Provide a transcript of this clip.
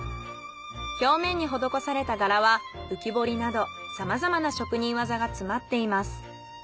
表面に施された柄は浮き彫りなどさまざまな職人技が詰まっています。